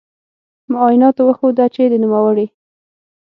معایناتو وښوده چې د نوموړې